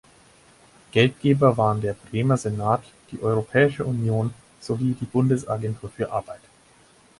Geldgeber waren der Bremer Senat, die Europäische Union sowie die Bundesagentur für Arbeit.